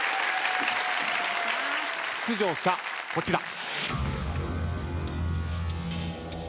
出場者こちら。